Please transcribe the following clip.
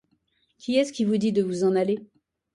Qui est-ce qui vous dit de vous en aller?